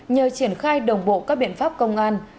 nhờ triển khai đồng bộ các biện pháp công an